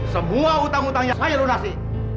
semua hutang hutangnya saya lunasi